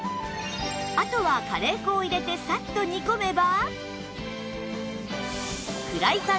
あとはカレー粉を入れてさっと煮込めば